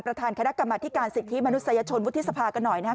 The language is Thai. ประธานคณะกรรมธิการสิทธิมนุษยชนวุฒิสภากันหน่อยนะครับ